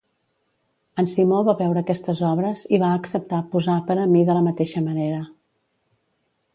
En Simó va veure aquestes obres i va acceptar posar per a mi de la mateixa manera.